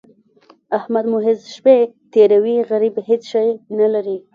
احمد محض شپې تېروي؛ غريب هيڅ شی نه لري.